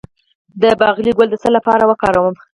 د باقلي ګل د څه لپاره وکاروم؟